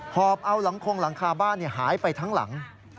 พอเอาหลังคาบ้านหายไปทั้งหลัง